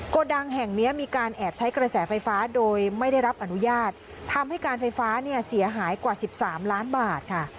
โกดังแห่งนี้มีการแอบใช้กระแสไฟฟ้าโดยไม่ได้รับอนุญาตทำให้การไฟฟ้าเนี่ยเสียหายกว่า๑๓ล้านบาทค่ะ